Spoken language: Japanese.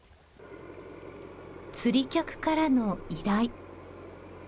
釣り客からの依頼。